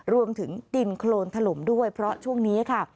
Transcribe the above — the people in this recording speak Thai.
รวมถึงดินโครนถล่มด้วยเพราะช่วงนี้ค่ะ